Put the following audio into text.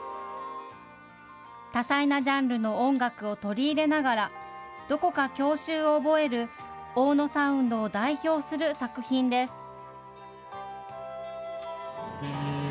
多彩なジャンルの音楽を取り入れながら、どこか郷愁を覚える、大野サウンドを代表する作品です。